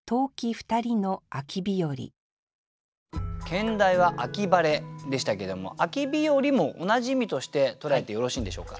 兼題は「秋晴」でしたけども「秋日和」も同じ意味として捉えてよろしいんでしょうか？